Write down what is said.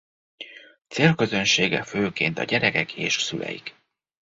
Célközönsége főként a gyerekek és szüleik.